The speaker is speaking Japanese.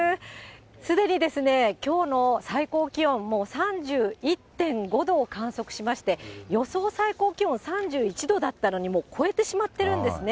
すでにきょうの最高気温、もう３１．５度を観測しまして、予想最高気温３１度だったのに、もう超えてしまってるんですね。